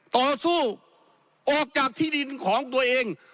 ต่อสู้ออกจากที่ดินของตัวเอง